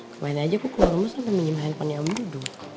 kemarin aja aku keluar rumah sampe minum handphone yang muduh